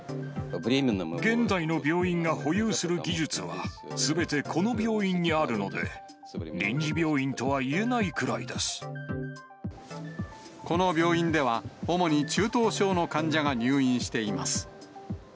現代の病院が保有する技術はすべてこの病院にあるので、この病院では、主に中等症の患者が入院しています。